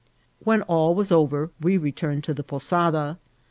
When all was over we returned to the posada.